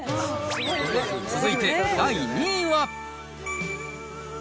続いて第２位は。